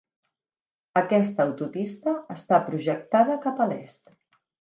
Aquesta autopista està projectada cap a l'est.